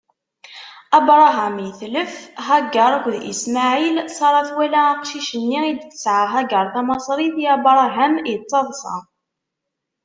Abṛaham itlef, Hagaṛ akked Ismaɛil, Ṣara twala aqcic-nni i d-tesɛa Hagaṛ tamaṣrit i Abṛaham, ittaḍṣa.